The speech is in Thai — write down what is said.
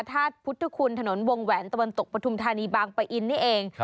ธาตุพุทธคุณถนนวงแหวนตะวันตกปฐุมธานีบางปะอินนี่เอง